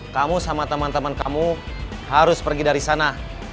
kamu sama temen temen kamu harus pergi dari sana